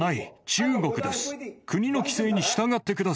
中国です。